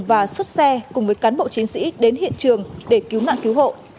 và xuất xe cùng với cán bộ chiến sĩ đến hiện trường để cứu nạn cứu hộ